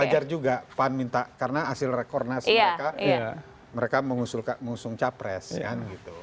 wajar juga karena hasil rekor nasional mereka mengusung capres kan gitu